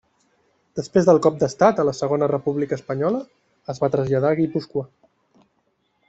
Després del cop d'estat a la Segona República Espanyola es va traslladar a Guipúscoa.